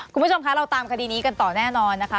คุณผู้ชมคะเราตามคดีนี้กันต่อแน่นอนนะคะ